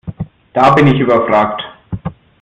Da bin ich überfragt.